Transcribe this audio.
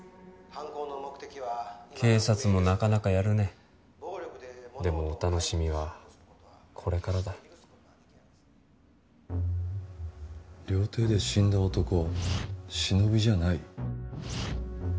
犯行の目的は警察もなかなかやるねでもお楽しみはこれからだ料亭で死んだ男はシノビじゃない？